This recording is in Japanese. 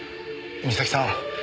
美咲さん